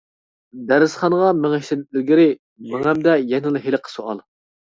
دەرسخانىغا مېڭىشتىن ئىلگىرى، مېڭەمدە يەنىلا ھېلىقى سوئال.